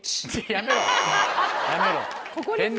やめろ。